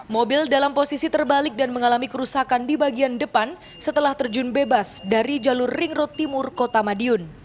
mobil dalam posisi terbalik dan mengalami kerusakan di bagian depan setelah terjun bebas dari jalur ring road timur kota madiun